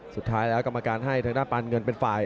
สุดท้ายแล้วกรรมการให้ทางด้านปานเงินเป็นฝ่าย